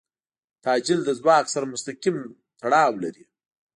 تعجیل د ځواک سره مستقیم تړاو لري.